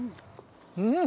うん！